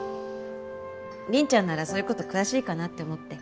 凛ちゃんならそういう事詳しいかなって思って。